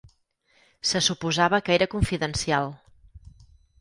Se suposava que era confidencial.